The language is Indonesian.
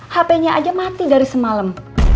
hpnya aja mati dari semalem